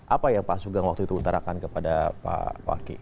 apa yang pak sugeng waktu itu utarakan kepada pak waki